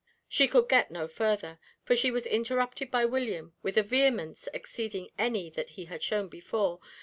She could get no further, for she was interrupted by William with a vehemence exceeding any that he had shown before.